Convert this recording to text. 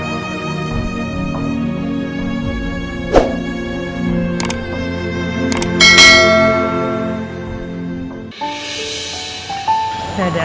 aku takutkan pada mu